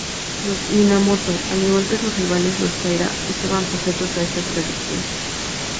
Los "Minamoto", al igual que sus rivales los "Taira", estaban sujetos a esta tradición.